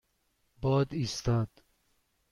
باد ایستاد.